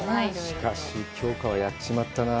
しかし、京香はやっちまったなぁ。